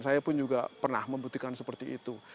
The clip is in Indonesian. saya pun juga pernah membuktikan seperti itu